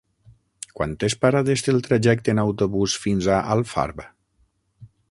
Quantes parades té el trajecte en autobús fins a Alfarb?